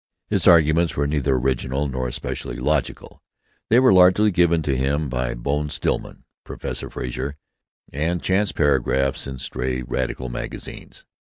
His arguments were neither original nor especially logical; they were largely given to him by Bone Stillman, Professor Frazer, and chance paragraphs in stray radical magazines.